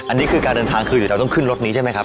อันนี้คือการเดินทางคือเราต้องขึ้นรถนี้ใช่ไหมครับ